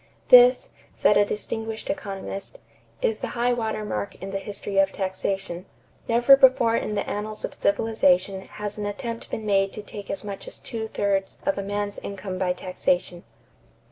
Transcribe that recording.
"This," said a distinguished economist, "is the high water mark in the history of taxation. Never before in the annals of civilization has an attempt been made to take as much as two thirds of a man's income by taxation."